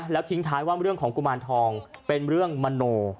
แล้วทิ้งท้ายว่าเรื่องของกุมารทองเป็นเรื่องมโน